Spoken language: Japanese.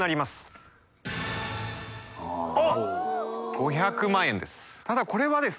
５００万円です。